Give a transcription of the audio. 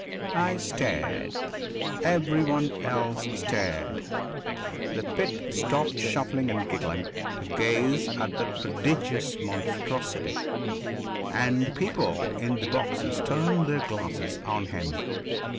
I stared. Everyone else stared. The pit stopped shuffling and giggling to gaze at that prodigious monstrosity, and people in the boxes turned their glasses on him.